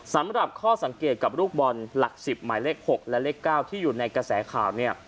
สำหรับข้อสังเกตกับลูกบอลหลัก๑๐หมายเลข๖และเลข๙ที่อยู่ในกระแสข่าวเนี่ย